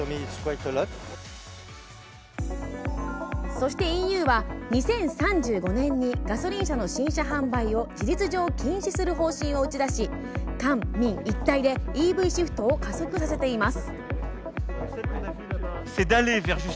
そしてＥＵは、２０３５年にガソリン車の新車販売を事実上禁止する方針を打ち出し官民一体でＥＶシフトを加速させています。